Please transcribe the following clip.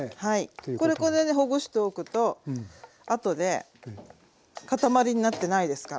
これでほぐしておくとあとで塊になってないですから。